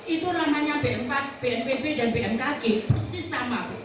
itu ramanya bnpb dan bnkg persis sama